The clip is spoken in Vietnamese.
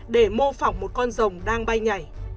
để mô phỏng một con rồng đang bay nhảy